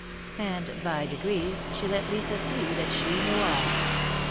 And by degrees she let Lisa see that she knew all.